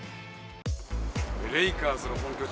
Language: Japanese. レイカーズの本拠地